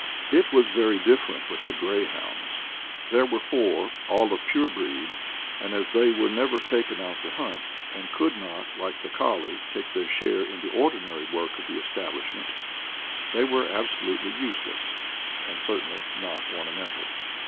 It was very different with the greyhounds. There were four, all of pure breed; and as they were never taken out to hunt, and could not, like the colley, take their share in the ordinary work of the establishment, they were absolutely useless, and certainly not ornamental.